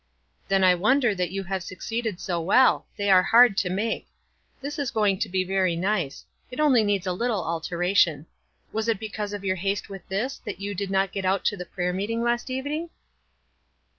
" Then I wonder that you have succeeded so well ; they are hard to make. This is going to be very nice; it only needs a little alteration. Was it because of your haste with this that you did not get out to the prayer meeting last even ing?"